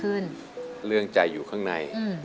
อเรนนี่คือเหตุการณ์เริ่มต้นหลอนช่วงแรกแล้วมีอะไรอีก